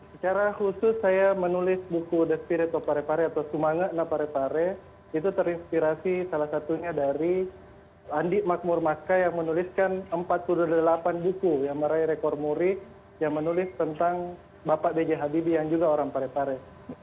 secara khusus saya menulis buku the spirit atau parepare atau sumangana parepare itu terinspirasi salah satunya dari andi makmur maska yang menuliskan empat puluh delapan buku yang meraih rekor muri yang menulis tentang bapak b j habibie yang juga orang parepare